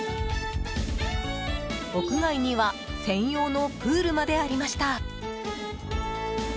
屋外には専用のプールまでありました。